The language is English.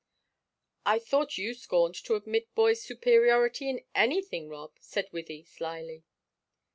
"I thought you scorned to admit boys' superiority in anything, Rob," said Wythie, slyly.